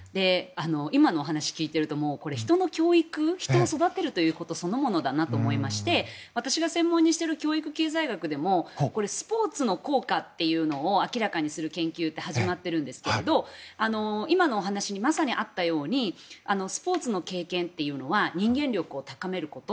今のお話を聞いていると人の教育人を育てるということそのものだなと思いまして私が専門にしてる教育経済学でもスポーツの効果というのを明らかにする研究って始まってるんですけれど今のお話にまさにあったようにスポーツの経験というのは人間力を高めること。